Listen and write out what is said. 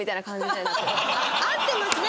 合ってますね